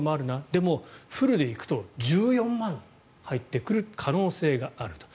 でも、フルで行くと１４万人入ってくる可能性もあると。